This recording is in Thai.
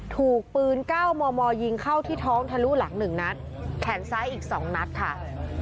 ถูกปืน๙มมยิงเข้าที่ท้องทะลุหลัง๑นัดแขนซ้ายอีก๒นัดค่ะ